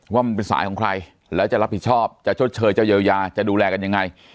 ว่ามันเป็นสายของใครแล้วจะรับผิดชอบจะชดเชยจะเยียวยาจะดูแลกันยังไง